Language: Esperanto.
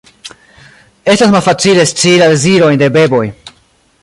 Estas malfacile scii la dezirojn de beboj.